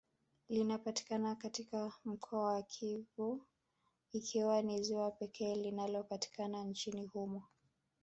Linapatikana katika mkoa wa Kivu likiwa ni ziwa pekee linalopatikana nchini humo